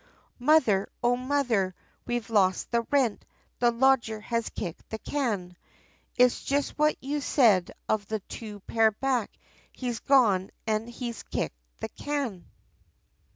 Mother, O mother, we've lost the rent, the lodger has kicked the can! It's just what you said of the two pair back, he's gone an he's kicked the can!"